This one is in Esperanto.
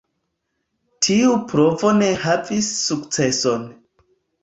Tiu provo ne havis sukceson.